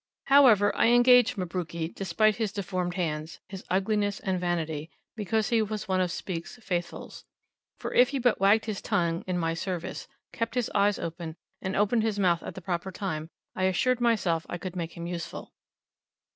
However, I engaged Mabruki, despite his deformed hands, his ugliness and vanity, because he was one of Speke's "Faithfuls." For if he but wagged his tongue in my service, kept his eyes open, and opened his mouth at the proper time, I assured myself I could make him useful.